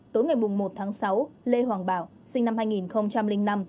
tối ngày một tháng sáu lê hoàng bảo sinh năm hai nghìn năm